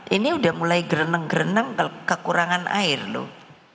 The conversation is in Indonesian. ini udah mulai gereneng gereneng kekurangan air loh